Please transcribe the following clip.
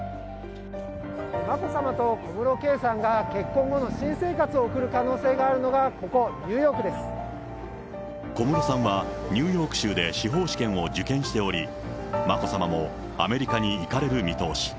眞子さまと小室圭さんが結婚後の新生活を送る可能性があるの小室さんは、ニューヨーク州で司法試験を受験しており、眞子さまもアメリカに行かれる見通し。